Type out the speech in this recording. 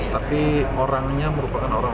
tapi orangnya merupakan orang